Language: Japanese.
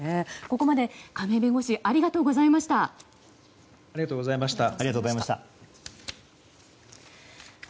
ここまで亀井弁護士ありがとうございました。